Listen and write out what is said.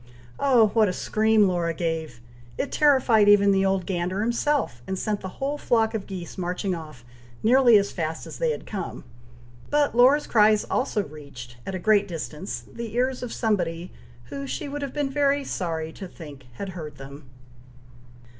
oh, what a scream Laura gave! it terrified even the old gander himself, and sent the whole flock of geese marching off, nearly as fast as they had come; but Laura's cries also reached, at a great distance, the ears of somebody, who she would have been very sorry to think had heard them.